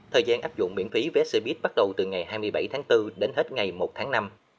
thời gian áp dụng miễn phí vé xe buýt bắt đầu từ ngày hai mươi bảy tháng bốn đến hết ngày một tháng năm